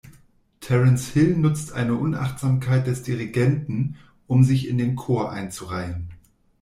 Terence Hill nutzt eine Unachtsamkeit des Dirigenten, um sich in den Chor einzureihen.